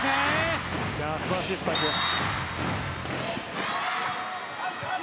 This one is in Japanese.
素晴らしいスパイクです。